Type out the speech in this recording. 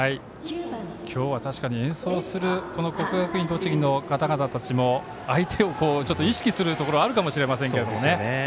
今日は確かに演奏する国学院栃木の方々も相手を意識するところがあるかもしれないですけどね。